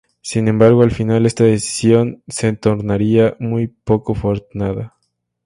Sin embargo, al final esta decisión se tornaría muy poco afortunada.